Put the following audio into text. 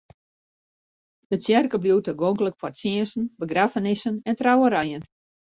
De tsjerke bliuwt tagonklik foar tsjinsten, begraffenissen en trouwerijen.